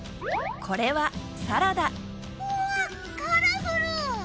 これはサラダうわカラフル！